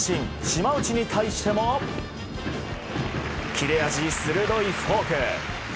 島内に対しても切れ味鋭いフォーク。